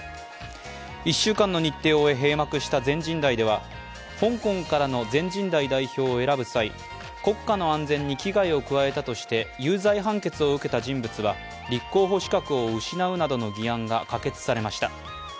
１週間の日程を終え閉幕した全人代では、香港からの全人代代表を選ぶ際に国家の安全に危害を加えたとして有罪判決を受けた人物は立候補資格を失うなどの議案が可決されました。